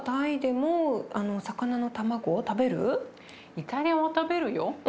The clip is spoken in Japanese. イタリアは食べるよ。